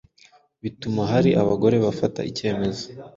bituma hari abagore bafata icyemezo